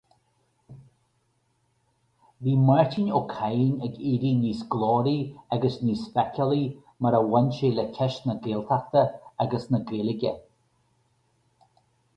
Bhí Máirtín Ó Cadhain ag éirí níos glóraí agus níos feiceálaí mar a bhain sé le ceist na Gaeltachta agus na Gaeilge.